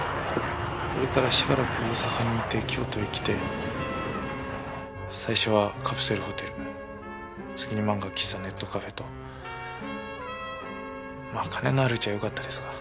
それからしばらく大阪にいて京都へ来て最初はカプセルホテル次に漫画喫茶ネットカフェとまあ金のあるうちはよかったですが。